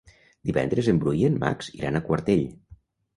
Divendres en Bru i en Max iran a Quartell.